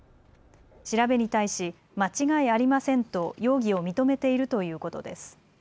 調べに対し間違いありませんと容疑を認めているということです。